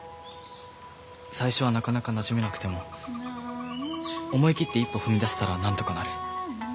最初はなかなかなじめなくても思い切って一歩踏み出したらなんとかなる。